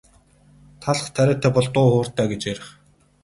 Талх тариатай бол дуу хууртай гэж ярих.